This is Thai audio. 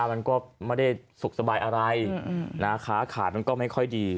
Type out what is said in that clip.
มันก็ไม่ได้สุขสบายอะไรนะค้าขายมันก็ไม่ค่อยดี